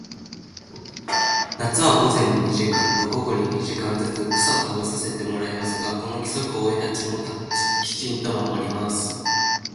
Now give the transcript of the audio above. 夏は午前に二時間と、午後に二時間ずつ、草を食べさせてもらいますが、この規則を親たちもきちんと守ります。